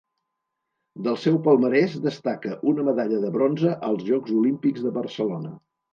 Del seu palmarès destaca una medalla de bronze als Jocs Olímpics de Barcelona.